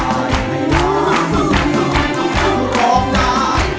แมวร้องได้